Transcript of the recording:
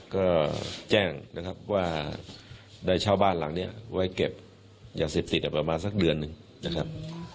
ก็แจ้งนะครับว่าได้เช่าบ้านหลังนี้ไว้เก็บยาเสพติดประมาณสักเดือนหนึ่งนะครับ